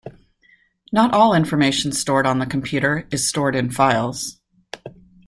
Not all information stored on the computer is stored in files.